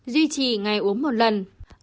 duy trì ngày uống một lần